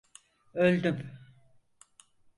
Öldüm.